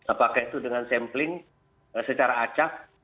apakah itu dengan sampling secara acak